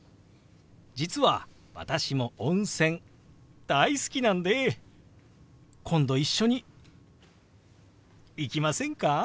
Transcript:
実は私も温泉大好きなんで今度一緒に行きませんか？